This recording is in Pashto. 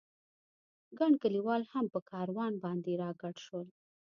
ګڼ کلیوال هم په کاروان باندې را ګډ شول.